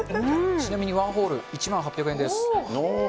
ちなみにワンホール１万８００円です。